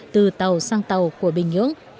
từ tàu sang tàu của bình nhưỡng